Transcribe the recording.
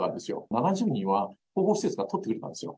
７０人は後方施設が取ってくれたんですよ。